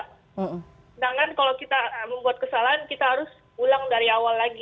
sedangkan kalau kita membuat kesalahan kita harus pulang dari awal lagi